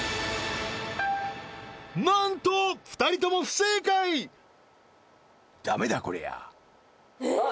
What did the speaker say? なんと２人とも不正解ダメだこりゃあっ